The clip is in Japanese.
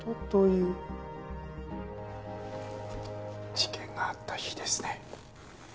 事件があった日ですね。